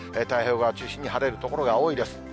太平洋側を中心に晴れる所が多いです。